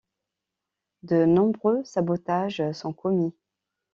De nombreux sabotages sont commis.